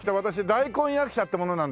大根役者って者なんですけども。